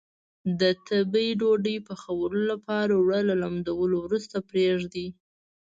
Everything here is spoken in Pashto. د تبۍ ډوډۍ پخولو لپاره اوړه له لندولو وروسته پرېږدي.